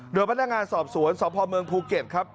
หรือพนักงานสอบสวนสตมภูเก็ตครับ